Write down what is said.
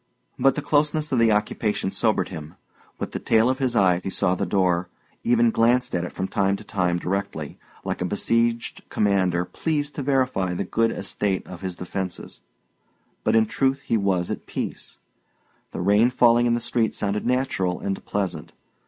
But the closeness of the occupation sobered him. With the tail of his eye he saw the door even glanced at it from time to time directly, like a besieged commander pleased to verify the good estate of his defences. But in truth he was at peace. The rain falling in the street sounded natural and pleasant.